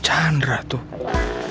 wah chandra tuh